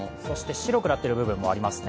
白くなっている部分もありますね。